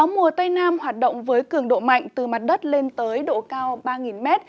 mùa tây nam hoạt động với cường độ mạnh từ mặt đất lên tới độ cao ba m